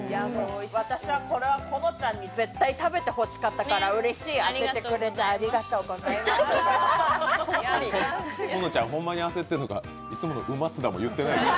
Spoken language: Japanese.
私はこれはこのちゃんに絶対食べてほしかったからうれしい、当ててくれてありがとうございます。